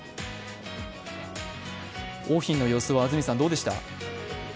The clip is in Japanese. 桜浜の様子は安住さん、どうでした？